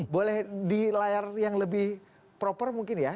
boleh di layar yang lebih proper mungkin ya